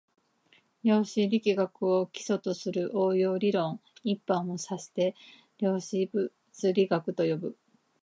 量子力学を基礎とする応用理論一般を指して量子物理学と呼ぶ